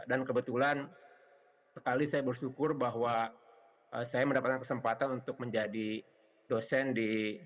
dan kebetulan sekali saya bersyukur bahwa saya mendapatkan kesempatan untuk menjadi dosen di amerika